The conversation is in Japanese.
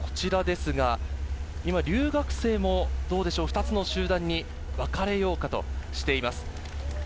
留学生も２つの集団に分かれようかとしています。